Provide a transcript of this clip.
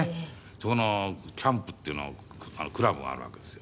そこのキャンプっていうのクラブがあるわけですよ。